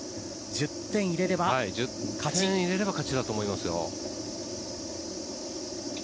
１０点入れれば勝ちだと思いますよ。